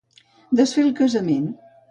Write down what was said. Desfer el casament.